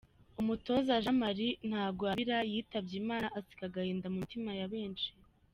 Umutoza Jean Marie Ntagwabira yitabye Imana asiga agahinda mu mitima ya benshi.